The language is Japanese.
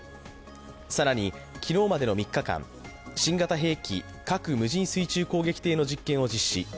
更に、昨日までの３日間、新型兵器、核無人水中攻撃艇の実験を実施。